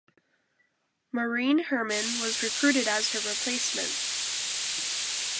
Maureen Herman was recruited as her replacement.